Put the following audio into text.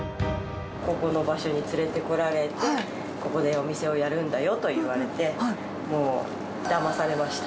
ここの場所に連れてこられて、ここでお店をやるんだよと言われて、もう、だまされました。